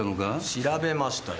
調べましたよ